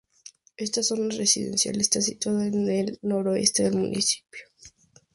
Esta zona residencial está situada en el noreste del municipio.